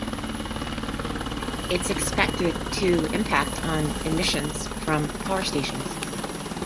It is expected to impact on emissions from power stations.